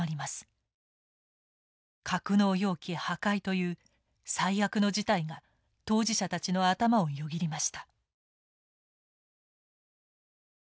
格納容器破壊という最悪の事態が当事者たちの頭をよぎりました。